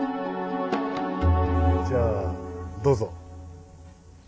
じゃあどうぞ。